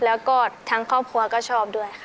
แล้วก็ทั้งครอบครัวก็ชอบด้วยค่ะ